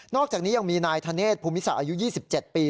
นอกจากนี้ยังมีนายทะเนธภูมิศาอายุ๒๗ปี